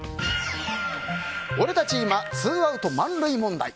「俺たち今ツーアウト満塁問題」。